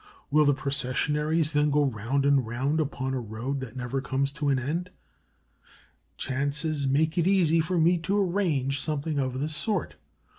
Will the Processionaries then go round and round upon a road that never comes to an end? Chance makes it easy for me to arrange something of this sort.